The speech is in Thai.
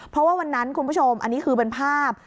เพราะว่าวันนั้นคุณผู้ชมอันนี้คือเป็นภาพ